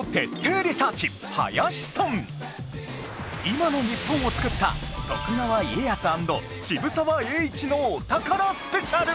今の日本を作った徳川家康＆渋沢栄一のお宝スペシャル